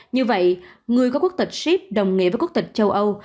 như vậy người có quốc tịch ship đồng nghĩa với quốc tịch châu âu